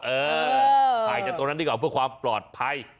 เออถ่ายจากตรงนั้นดีกว่าเพื่อความปลอดภัย